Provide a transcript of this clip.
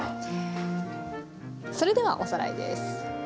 それではおさらいです。